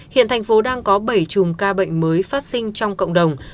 hiện thành phố đang có bảy chùm ca bệnh mới phát sinh trong cộng đồng